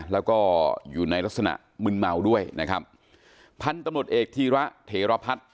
แล้วก็อยู่ในลักษณะมึนเมาด้วยนะครับพันธุ์ตำรวจเอกธีระเถรพัฒน์